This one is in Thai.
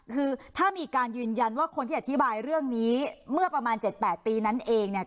คือถ้ามีการยืนยันว่าคนที่อธิบายเรื่องนี้เมื่อประมาณ๗๘ปีนั้นเองเนี่ย